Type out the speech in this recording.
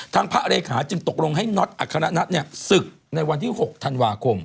พระเลขาจึงตกลงให้น็อตอัครนัทศึกในวันที่๖ธันวาคม